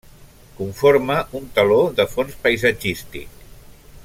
Conforma un teló de fons paisatgístic.